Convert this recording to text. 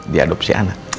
dia adopsi anak